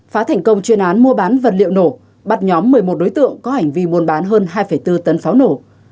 phá thành công chuyên án mua bán vật liệu nổ bắt nhóm một mươi một đối tượng có hành vi buôn bán hơn hai bốn tấn pháo nổ